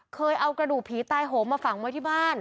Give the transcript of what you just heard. เคยเอากระดูกผีตายโหมมาฝังไว้ที่บ้าน